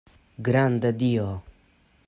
Granda Dio!